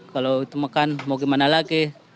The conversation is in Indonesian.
kalau itu makan mau gimana lagi